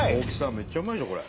めっちゃうまいでしょこれ。